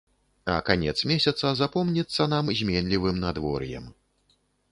А канец месяца запомніцца нам зменлівым надвор'ем.